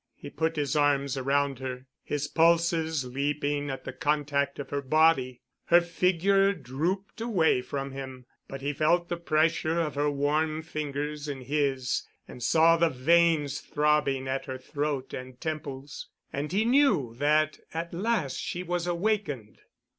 He put his arms around her, his pulses leaping at the contact of her body. Her figure drooped away from him, but he felt the pressure of her warm fingers in his, and saw the veins throbbing at her throat and temples, and he knew that at last she was awakened.